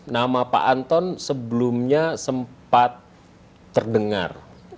nama pak anton sebelumnya sempat terdengar